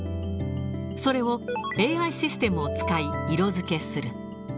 それを、ＡＩシステムを使い、色づけする。